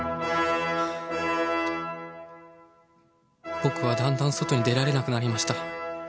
僕はだんだん外に出られなくなりました。